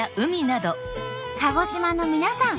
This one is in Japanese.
鹿児島の皆さん